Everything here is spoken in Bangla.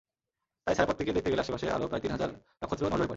তাই ছায়াপথটিকে দেখতে গেলে আশপাশের আরও প্রায় তিন হাজার নক্ষত্র নজরে পড়ে।